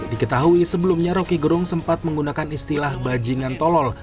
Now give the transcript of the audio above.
diketahui sebelumnya rokigerung sempat menggunakan istilah bajingan tolol